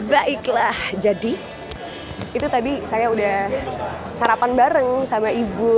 baiklah jadi itu tadi saya udah sarapan bareng sama ibu